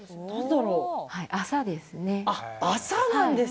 麻ですね。